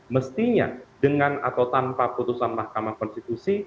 mestinya dengan atau tanpa putusan mahkamah konstitusi